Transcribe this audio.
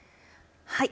はい。